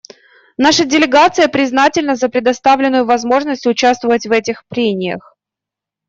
Наша делегация признательна за предоставленную возможность участвовать в этих прениях.